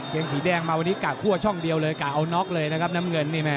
งสีแดงมาวันนี้กะคั่วช่องเดียวเลยกะเอาน็อกเลยนะครับน้ำเงินนี่แม่